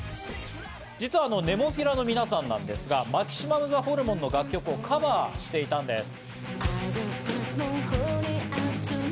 実はＮＥＭＯＰＨＩＬＡの皆さんなんですが、マキシマムザホルモンの楽曲をカバーしていたんです。